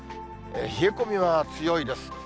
冷え込みは強いです。